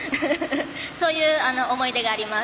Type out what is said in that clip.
そういう思い出があります。